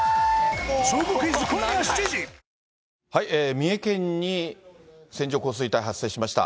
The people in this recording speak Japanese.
三重県に線状降水帯、発生しました。